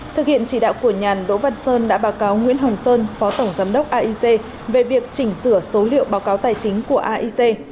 thực hiện chỉ đạo của nhàn đỗ văn sơn đã báo cáo nguyễn hồng sơn phó tổng giám đốc aic về việc chỉnh sửa số liệu báo cáo tài chính của aic